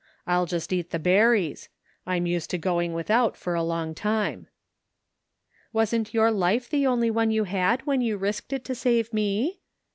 I'll just eat the berries. I'm used to going without for a long time." " Wasn't your life the only one you had when you risked it to save me?"